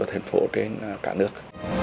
ở thành phố trên cả nước